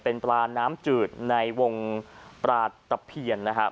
เป็นปลาน้ำจืดในวงปลาตะเพียนนะครับ